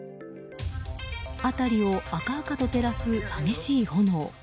辺りを明々と照らす激しい炎。